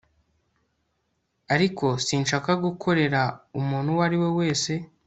ariko, sinshaka gukorera umuntu uwo ari we wese